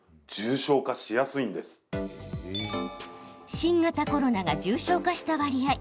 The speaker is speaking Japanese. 新型コロナが重症化した割合。